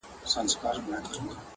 بې سرحده یې قدرت او سلطنت دئ.!